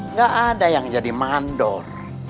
nggak ada yang jadi mandor